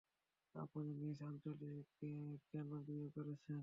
আপনি মিস আঞ্জলিকে কেন বিয়ে করছেন?